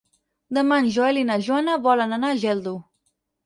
Demà en Joel i na Joana volen anar a Geldo.